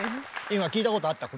今聞いたことあった？